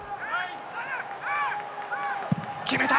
決めた！